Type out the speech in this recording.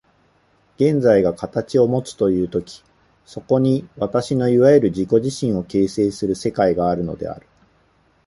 現在が形をもつという時、そこに私のいわゆる自己自身を形成する世界があるのである。